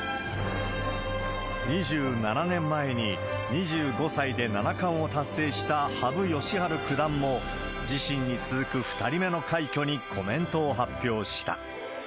２７年前に、２５歳で七冠を達成した羽生善治九段も、自身に続く２人目の快挙にコメントを発表した。